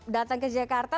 datang ke jakarta